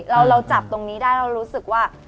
เราจับตรงนี้ได้เรารู้สึกว่า